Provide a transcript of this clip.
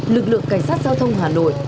lực lượng cảnh sát giao thông hà nội